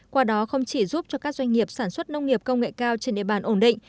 qua đó không chỉ giúp cho các doanh nghiệp sản xuất nông nghiệp công nghệ cao trên địa bàn ổn định